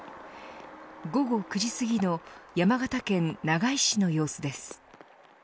午後９時すぎの山形県長井市の様子です。